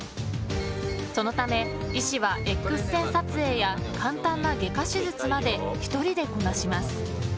そのため、医師はＸ線撮影や簡単な外科手術まで１人でこなします。